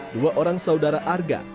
dua orang saudara arga